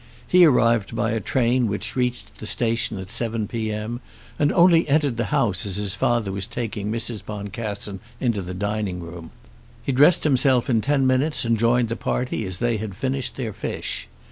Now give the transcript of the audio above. He arrived by a train which reached the station at 7 P.M., and only entered the house as his father was taking Mrs. Boncassen into the dining room. He dressed himself in ten minutes, and joined the party as they had finished their fish.